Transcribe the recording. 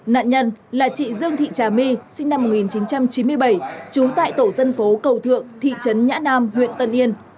nạn nhân là chị dương thị trà my sinh năm một nghìn chín trăm chín mươi bảy trú tại tổ dân phố cầu thượng thị trấn nhã nam huyện tân yên